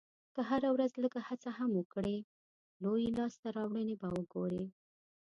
که هره ورځ لږه هڅه هم وکړې، لویې لاسته راوړنې به وګورې.